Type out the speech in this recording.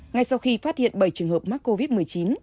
ngay sau khi phát hiện bảy trường hợp mắc covid một mươi chín